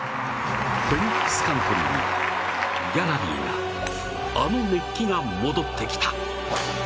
フェニックスカントリーにギャラリーが、あの熱気が戻ってきた！